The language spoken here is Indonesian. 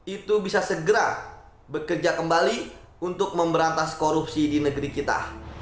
itu bisa segera bekerja kembali untuk memberantas korupsi di negeri kita